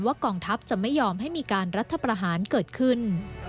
กองทัพจะไม่ยอมให้มีการรัฐประหารเกิดขึ้น